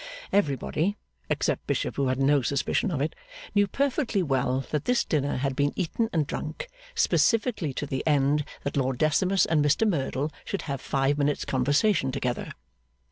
Everybody (except Bishop, who had no suspicion of it) knew perfectly well that this dinner had been eaten and drunk, specifically to the end that Lord Decimus and Mr Merdle should have five minutes' conversation together.